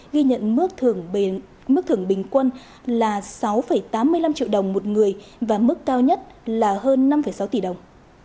ghi nhận mức thưởng bình quân là sáu tám mươi năm triệu đồng một người và mức cao nhất là hơn năm sáu tỷ đồng